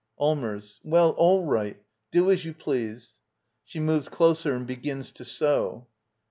Allmers. Well, all right — do as you please. [She moves closer and begins to sew.